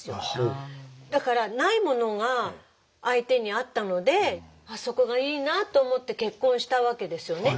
だからないものが相手にあったのでそこがいいなと思って結婚したわけですよね。